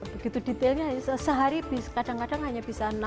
begitu detailnya sehari kadang kadang hanya bisa